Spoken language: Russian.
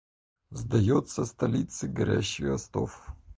Сдается столицы горящий остов.